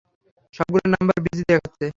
সবগুলো number busy দেখাচ্ছে!